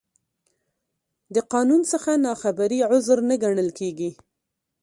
د قانون څخه نا خبري، عذر نه ګڼل کېږي.